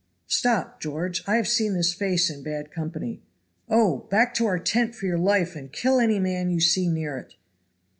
"Stop, George, I have seen this face in bad company. Oh! back to our tent for your life, and kill any man you see near it!"